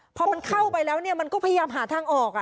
พอมันเข้าไปแล้วเนี่ยมันก็พยายามหาทางออก